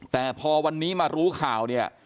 แต่พอวันนี้มารู้ข่าวเนี่ย